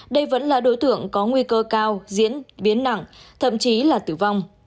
đây vẫn là đối tượng có nguy cơ cao diễn biến nặng thậm chí là tử vong